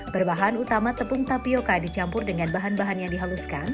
berbahan utama tepung tapioca dicampur dengan bahan bahan yang dihaluskan